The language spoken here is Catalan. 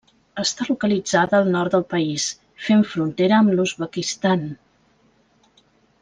Està localitzada al nord del país, fent frontera amb l'Uzbekistan.